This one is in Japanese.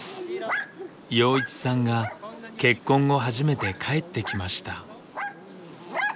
陽一さんが結婚後初めて帰ってきました。